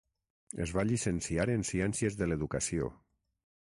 Es va llicenciar en Ciències de l'Educació.